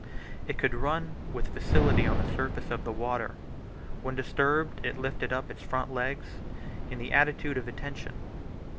It could run with facility on the surface of the water. When disturbed it lifted up its front legs, in the attitude of attention.